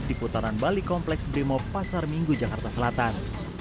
di putaran bali kompleks brimo pasar minggu jakarta selatan